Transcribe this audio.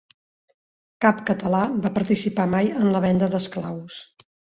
Cap català va participar mai en la venda d'esclaus